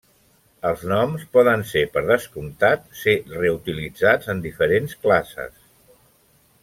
Els noms poden, per descomptat, ser reutilitzats en diferents classes.